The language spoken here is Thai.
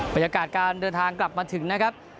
บรรยากาศการเดินทางกลับมาถึงนะครับ